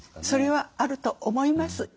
それはあると思います。